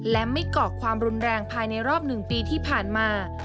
และไม่เกาะความรุนแรงภายในรอบ๑ปีที่ผ่านมา